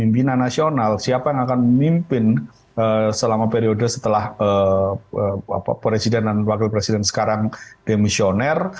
pimpinan nasional siapa yang akan memimpin selama periode setelah presiden dan wakil presiden sekarang demisioner